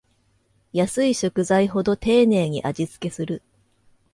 安い食材ほど丁寧に味つけする